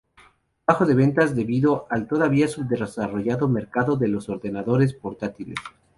Bajó de ventas debido al todavía subdesarrollado mercado de los ordenadores portátiles.